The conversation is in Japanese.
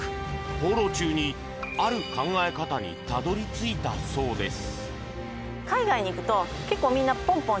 放浪中に、ある考え方にたどり着いたそうです。